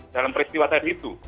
dalam peristiwa tadi itu